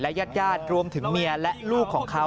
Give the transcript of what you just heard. ญาติรวมถึงเมียและลูกของเขา